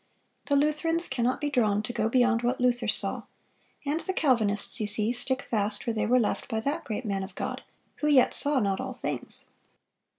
The Lutherans cannot be drawn to go beyond what Luther saw; ... and the Calvinists, you see, stick fast where they were left by that great man of God, who yet saw not all things.